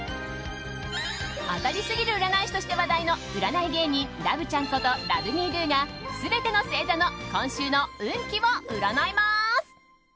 当たりすぎる占い師として話題の占い芸人ラブちゃんことＬｏｖｅＭｅＤｏが全ての星座の今週の運気を占います。